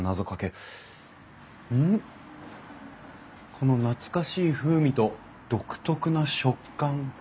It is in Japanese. この懐かしい風味と独特な食感。